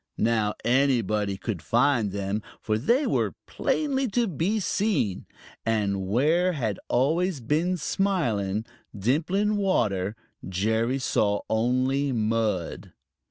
Now anybody could find them, for they were plainly to be seen. And where had always been smiling, dimpling water, Jerry saw only mud.